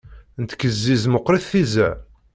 Nettkezziz meqrit tizza.